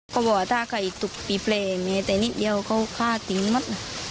ก็บอกว่าถ้าใครตุ๊กปีเปลย์แบบนี้แต่นิดเดียวก็ฆ่าติ้งมัด